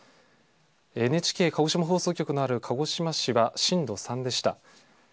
ＮＨＫ鹿児島放送局のある鹿児島市は、震度３でした。